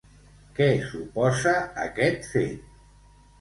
Què suposa aquest fet?